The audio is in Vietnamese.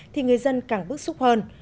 thì người dân càng bức xúc hơn